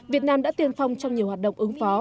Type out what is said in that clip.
việt nam đã tiên phong trong nhiều hoạt động ứng phó